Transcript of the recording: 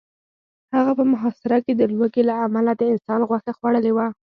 هغه په محاصره کې د لوږې له امله د انسان غوښه خوړلې وه